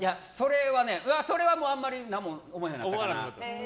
それはあんまり何も思わなくなった。